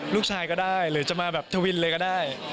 ก็ได้หรือจะมาแบบทวินเลยก็ได้